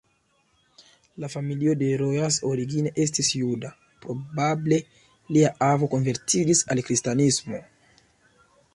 La familio de Rojas origine estis juda, probable lia avo konvertiĝis al kristanismo.